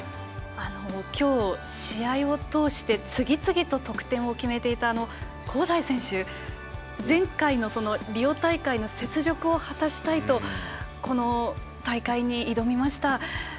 きょう、試合を通して次々と得点を決めていた香西選手、前回のリオ大会の雪辱を果たしたいとこの大会に挑みました。